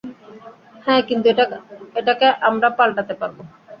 হ্যা, কিন্তু আমরা এটাকে পাল্টাতে পারব।